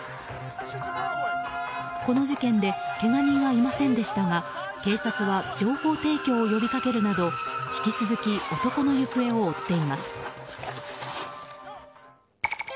この事件でけが人はいませんでしたが警察は情報提供を呼びかけるなど引き続き男の行方を追っています。